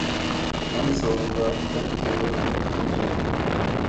مەن سورۇندا بەك ئېغىر ئولتۇرۇپ كەتتىم.